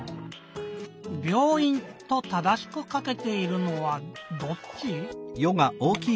「びょういん」と正しくかけているのはどっち？